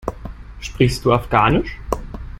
Sprichst du Afghanisch?